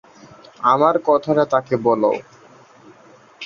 আমার কথাটা তাকে বলো।